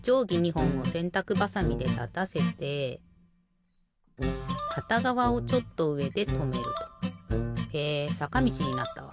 ほんをせんたくばさみでたたせてかたがわをちょっとうえでとめると。へえさかみちになったわ。